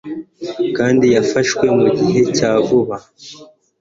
kandi yafashwe mu gihe cya vuba,